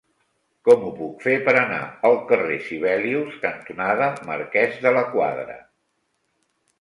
Com ho puc fer per anar al carrer Sibelius cantonada Marquès de la Quadra?